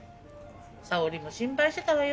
佐緒里も心配してたわよ。